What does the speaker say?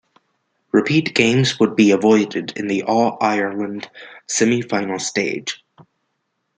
Repeat games would be avoided in the All-Ireland semi-final stage.